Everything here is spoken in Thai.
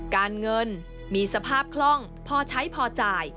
การเงินมีสภาพคล่องพอใช้พอจ่าย